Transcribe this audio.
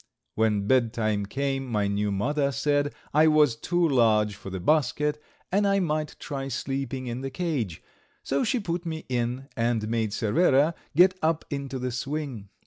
When bedtime came my new mother said I was too large for the basket, and I might try sleeping in the cage, so she put me in and made Cervera get up into the swing.